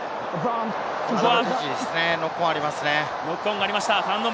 ノックオンがありますね。